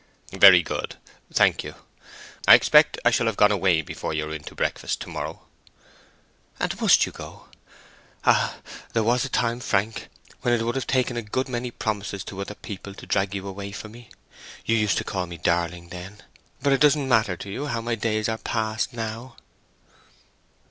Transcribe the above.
"Very good. Thank you. I expect I shall have gone away before you are in to breakfast to morrow." "And must you go? Ah! there was a time, Frank, when it would have taken a good many promises to other people to drag you away from me. You used to call me darling, then. But it doesn't matter to you how my days are passed now."